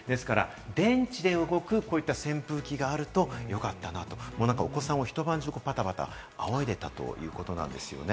電池で動く扇風機があるとよかったな、お子さんを一晩中、バタバタあおいでたということなんですよね。